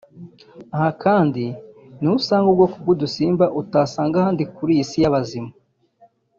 Aha kandi niho usanga ubu bwoko bw’udusimba utasanga ahandi kuri iyi si y’abazima